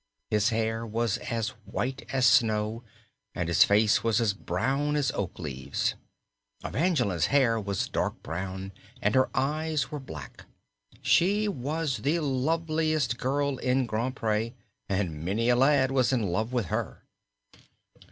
His hair was as white as snow and his face was as brown as oak leaves. Evangeline's hair was dark brown and her eyes were black. She was the loveliest girl in Grand Pré and many a lad was in love with her.